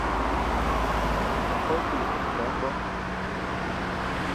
oltalik oc̣ukoon bam